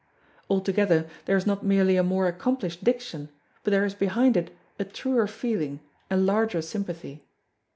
Altogether there is not merely a more accomplished diction but there is behind it a truer feeling and larger sympathy.